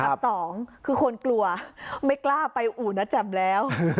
สองคือคนกลัวไม่กล้าไปอู่นะแจ่มแล้ว